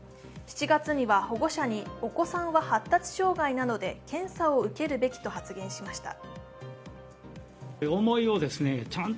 ７月には保護者に、お子さんは発達障害なので検査を受けるべきと発言しました。